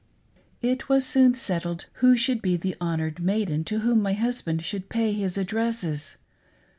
It was soon settled who should be the honored maiden to whom my husband should pay his addresses.